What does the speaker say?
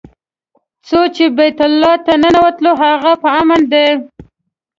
څوک چې بیت الله ته ننوت هغه په امن دی.